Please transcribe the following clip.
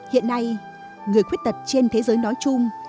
hiện nay người khuyết tật trên thế giới nói chung